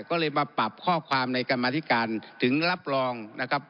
ก็เลยมาปรับข้อความในกรรมธิการถึงรับรองนะครับ